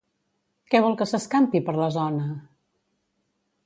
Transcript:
Què vol que s'escampi per la zona?